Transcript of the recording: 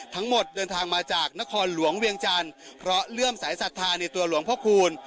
เดินทางมาจากนครหลวงเวียงจันทร์เพราะเลื่อมสายศรัทธาในตัวหลวงพ่อคูณ